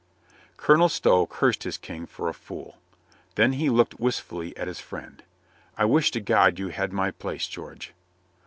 Colonel Stow cursed his King for a fool. Then he looked wistfully at his friend. "I wish to God you had my place, George."